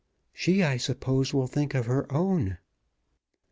"She, I suppose, will think of her own."